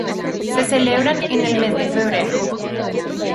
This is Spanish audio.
Se celebran en el mes de febrero.